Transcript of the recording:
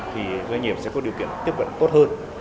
thì doanh nghiệp sẽ có điều kiện tiếp cận tốt hơn